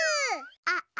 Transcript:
あっあ。